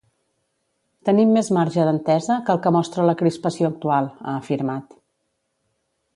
Tenim més marge d’entesa que el que mostra la crispació actual, ha afirmat.